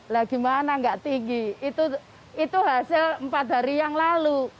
lagi mana nggak tinggi itu hasil empat hari yang lalu